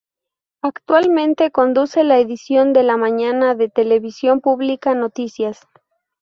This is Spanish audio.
Actualmente conduce la edición de la mañana de Televisión Pública Noticias.